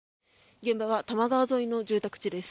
現場は多摩川沿いの住宅街です。